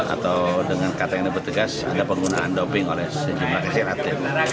atau dengan kata yang diberi tegas ada penggunaan doping oleh sejumlah kecil atlet